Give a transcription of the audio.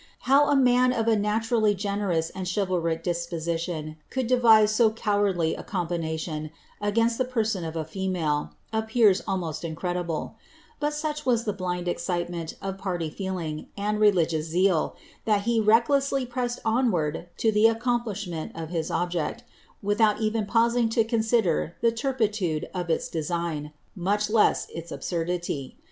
How a man of i nalumlly geoeroua and cbivalric disposition could devise so cowardlv ■ combination against the person of a female, appears almost incredibiti but such was the blind escilement of parly feeling, and religious letL that he recklessly pressed onward lo the accomplishment of his object, wiiliout even pausing to consider ihe turpitude of its design, much less its absurdity.